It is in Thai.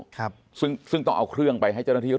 ครับซึ่งซึ่งต้องเอาเครื่องไปให้เจ้าหน้าที่